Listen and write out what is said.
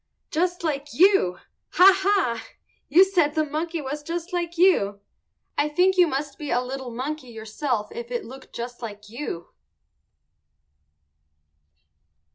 _ Just like you! Ha, ha! You said the monkey was just like you; I think you must be a little monkey yourself if it looked just like you.